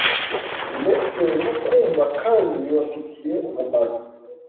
ndetse no kumva kandi bibafitiye umumaro.